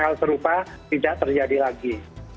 hal serupa tidak terjadi lagi